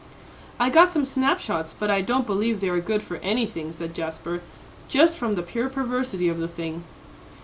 "I got some snap shots, but I don't believe they are good for anything," said Jasper, "just from the pure perversity of the thing."